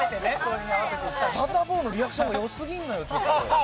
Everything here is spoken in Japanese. サタボーのリアクションがよすぎるのよ、ちょっと。